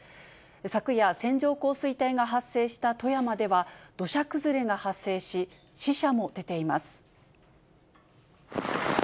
昨夜、線状降水帯が発生した富山では、土砂崩れが発生し、死者も出ています。